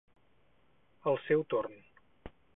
Al seu torn.